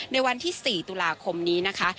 ในวันที่๔ตุลาคมนี้นะคะ